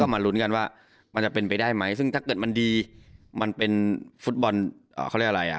มันกว่าจะบิลให้มันดังขนาดนี้